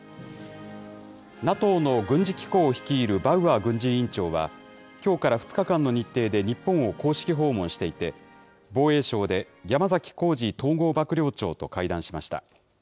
ＮＡＴＯの軍事機構を率いるバウアー軍事委員長は、きょうから２日間の日程で日本を公式訪問していて、防衛省で山崎幸二統合幕僚長と会談しました。